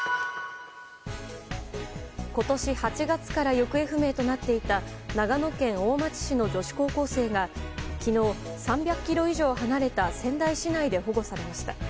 今年８月から行方不明となっていた長野県大町市の女子高校生が昨日、３００ｋｍ以上離れた仙台市内で保護されました。